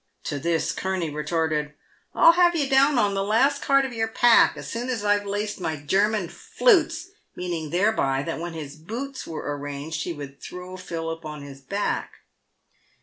To this Kurney retorted, " I'll have yer down on ' the last card of your pack' as soon as I've laced my ' German flutes' "— meaning thereby that when his hoots were arranged he would throw Philip on his back.